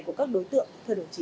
của các đối tượng thưa đồng chí